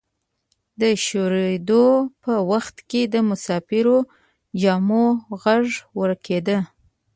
د شورېدو په وخت کې د مسافرو د جامو غږ ورکیده.